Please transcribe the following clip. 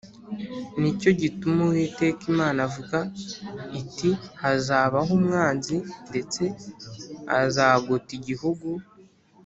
Ni cyo gituma Uwiteka Imana ivuga iti “Hazabaho umwanzi ndetse azagota igihugu